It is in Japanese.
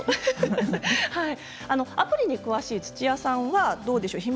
アプリに詳しい土屋さんはどうですか？